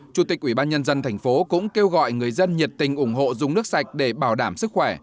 chủ tịch ủy ban nhân dân thành phố cũng kêu gọi người dân nhiệt tình ủng hộ dùng nước sạch để bảo đảm sức khỏe